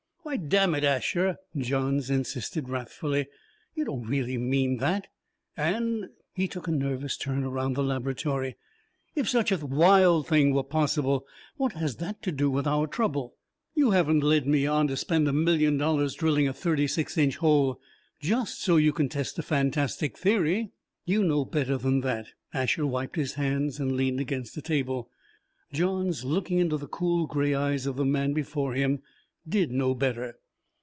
"Why damn it, Asher!" Johns insisted wrathfully, "you don't really mean that. And" he took a nervous turn around the laboratory "if such a wild thing were possible, what has that to do with our trouble? You haven't led me on to spend a million dollars drilling a thirty six inch hole, just so you could test a fantastic theory?" "You know better than that." Asher wiped his hands and leaned against a table. Johns, looking into the cool gray eyes of the man before him, did know better.